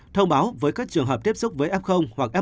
thông báo với các trường hợp tiếp xúc với f hoặc f một